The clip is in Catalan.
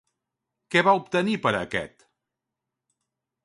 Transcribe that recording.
Què va obtenir per a aquest?